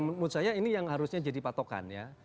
menurut saya ini yang harusnya jadi patokan ya